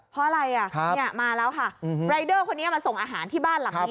เพราะอะไรอ่ะมาแล้วค่ะรายเดอร์คนนี้มาส่งอาหารที่บ้านหลังนี้